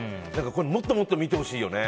もっともっと見てほしいよね。